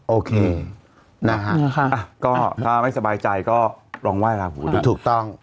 โอเคถ้าไม่สบายใจก็ลองไหว้ที่วัดถูกต้อง